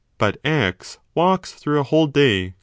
But X walks through a whole day.